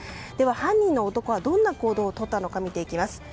犯人の男はどんな行動をとったのか見ていきます。